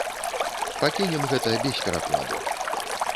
Пакінем гэта без перакладу.